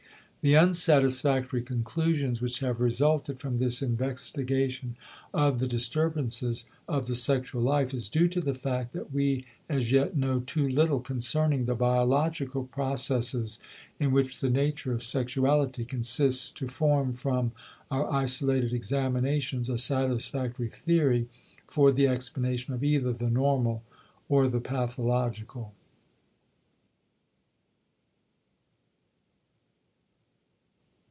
The unsatisfactory conclusions which have resulted from this investigation of the disturbances of the sexual life is due to the fact that we as yet know too little concerning the biological processes in which the nature of sexuality consists to form from our isolated examinations a satisfactory theory for the explanation of either the normal or the pathological.